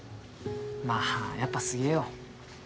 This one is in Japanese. まあやっぱすげえよ。